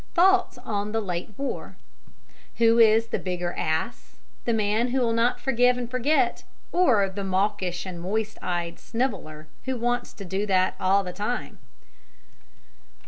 THOUGHTS ON THE LATE WAR WHO IS THE BIGGER ASS, THE MAN WHO WILL NOT FORGIVE AND FORGET, OR THE MAWKISH AND MOIST EYED SNIVELLER WHO WANTS TO DO THAT ALL THE TIME?